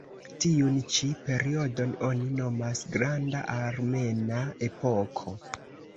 Tiun ĉi periodon oni nomas "Granda Armena Epoko".